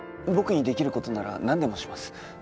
僕にできることならなんでもします。